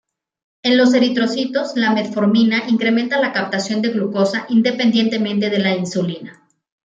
En los eritrocitos, la metformina incrementa la captación de glucosa independientemente de la insulina.